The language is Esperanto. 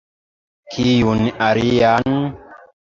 Kiun alian?